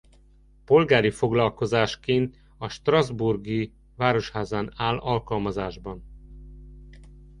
Polgári foglalkozásként a strassburgi városházán áll alkalmazásban.